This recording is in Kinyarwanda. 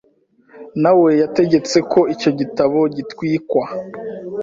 nawe yategetse ko icyo gitabo gitwikwa